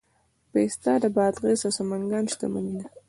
پسته د بادغیس او سمنګان شتمني ده.